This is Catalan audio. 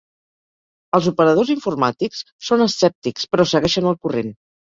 Els operadors informàtics són escèptics però segueixen el corrent.